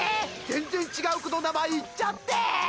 全然違う子の名前言っちゃって！